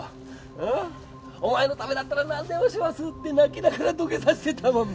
ん？お前のためだったらなんでもしますって泣きながら土下座してたもんな。